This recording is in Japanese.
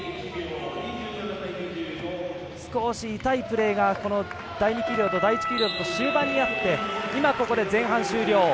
少し痛いプレーが第２ピリオド第１ピリオドの終盤にあって今、前半終了。